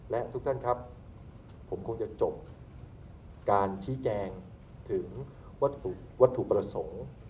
และทุกท่านครับผมคงจะจบการชี้แจงถึงวัตถุประสงค์